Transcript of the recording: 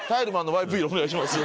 お願いします。